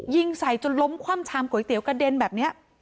ยิงใส่ล้มความชามก๋วยเตี๋ยวกระเด้นแบบเนี้ย